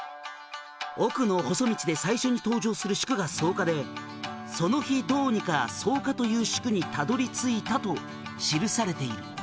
「『おくのほそ道』で最初に登場する宿が草加で『その日どうにか草加という宿にたどり着いた』と記されている」